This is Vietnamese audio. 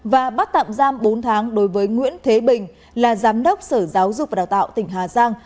và bắt tạm giam bốn tháng đối với nguyễn thế bình là giám đốc sở giáo dục và đào tạo tỉnh hà giang